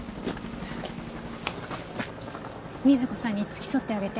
瑞子さんに付き添ってあげて。